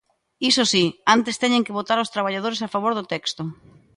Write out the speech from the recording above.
Iso si, antes teñen que votar os traballadores a favor do texto.